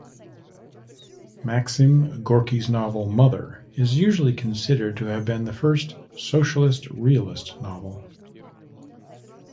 Maxim Gorky's novel "Mother" is usually considered to have been the first socialist-realist novel.